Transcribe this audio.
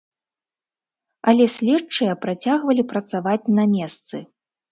Але следчыя працягвалі працаваць на месцы.